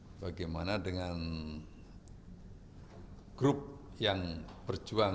sebanyak mungkin koalisi yang semakin kuat